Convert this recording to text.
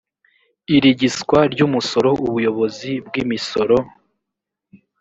irigiswa ry umusoro ubuyobozi bw imisoro